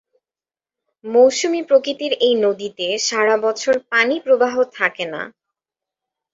মৌসুমি প্রকৃতির এই নদীতে সারাবছর পানিপ্রবাহ থাকে না।